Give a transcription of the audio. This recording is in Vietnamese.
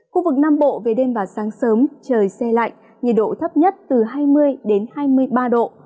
khu vực nam bộ về đêm và sáng sớm trời xe lạnh nhiệt độ thấp nhất từ hai mươi hai mươi ba độ